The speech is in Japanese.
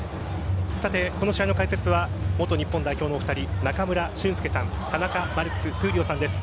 この試合の解説は元日本代表のお二人中村俊輔さん田中マルクス闘莉王さんです。